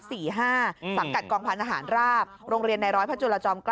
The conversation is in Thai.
สังกัดกองพันธหารราบโรงเรียนในร้อยพระจุลจอม๙